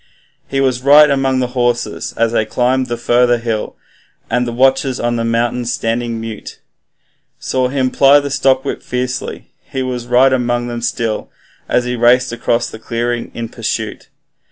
He was right among the horses as they climbed the further hill, And the watchers on the mountain standing mute, Saw him ply the stockwhip fiercely, he was right among them still, As he raced across the clearing in pursuit.